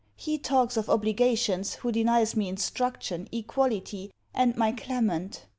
He talks of obligations, who denies me instruction, equality, and my Clement.